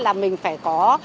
là mình phải có